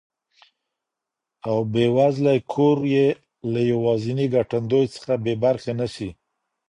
او بې وزلی کور یې له یوازیني ګټندوی څخه بې برخي نه سي.